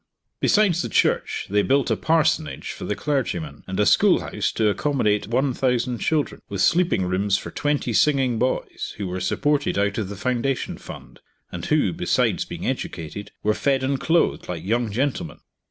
Besides the church, they built a parsonage for the clergyman, and a schoolhouse to accommodate 1,000 children, with sleeping rooms for twenty singing boys, who were supported out of the foundation fund, and who, besides being educated, were fed and clothed like young gentlemen.